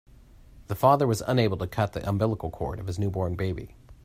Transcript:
The father was unable to cut the umbilical cord of his newborn baby.